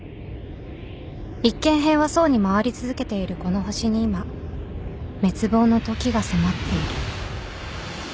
［一見平和そうに回り続けているこの星に今滅亡のときが迫っている］